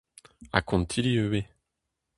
Ha kontilli ivez.